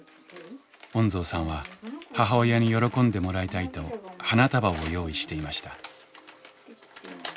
恩蔵さんは母親に喜んでもらいたいと花束を用意していました。